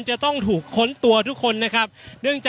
อย่างที่บอกไปว่าเรายังยึดในเรื่องของข้อ